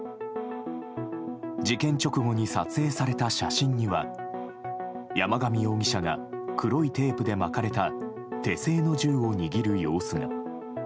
事件直後に撮影された写真には山上容疑者が黒いテープで巻かれた手製の銃を握る様子が。